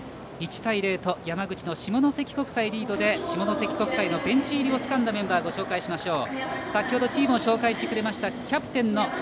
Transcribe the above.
１対０と山口の下関国際リードで下関国際のベンチ入りをつかんだメンバーをご紹介しましょう。